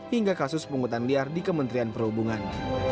hingga kasus penghutan liar di kementerian perhubungan